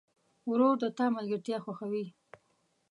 ورور د تا ملګرتیا خوښوي.